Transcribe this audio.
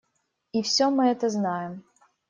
И все мы это знаем.